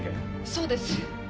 そうです。